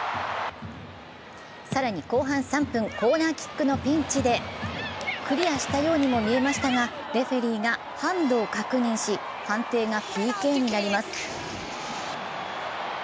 更に後半３分、コーナーキックのピンチでクリアしたようにも見えましたがレフェリーがハンドを確認し判定がＰＫになります。